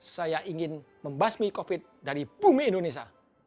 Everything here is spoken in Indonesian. saya ingin membasmi covid sembilan belas dari bumi indonesia